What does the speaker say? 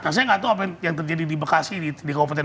nah saya gak tau apa yang terjadi di bekasi di kabupaten bekasi ini ya